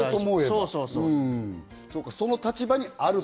その立場にあると。